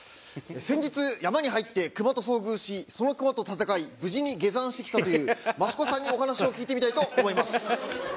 先日山に入って熊と遭遇しその熊と戦い無事に下山してきたという益子さんにお話を聞いてみたいと思います。